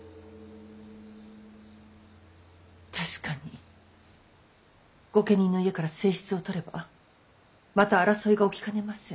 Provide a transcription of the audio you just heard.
確かに御家人の家から正室を取ればまた争いが起きかねません。